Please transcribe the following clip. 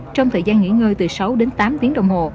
trong thời gian nghỉ ngơi từ sáu đến tám tiếng đồng hồ